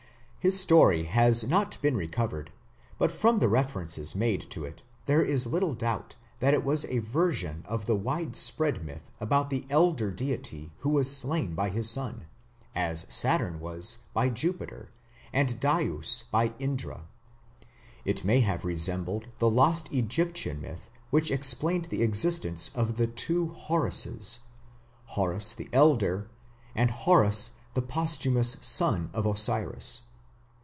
His story has not been recovered, but from the references made to it there is little doubt that it was a version of the widespread myth about the elder deity who was slain by his son, as Saturn was by Jupiter and Dyaus by Indra. It may have resembled the lost Egyptian myth which explained the existence of the two Horuses Horus the elder, and Horus, the posthumous son of Osiris.